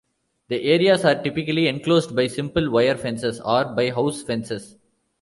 The areas are typically enclosed by simple wire fences, or by house fences.